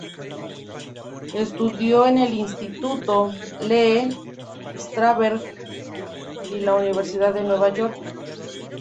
Estudió en el Instituto Lee Strasberg y en la Universidad de Nueva York.